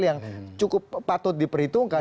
yang cukup patut diperhitungkan